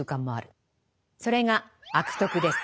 それが「悪徳」です。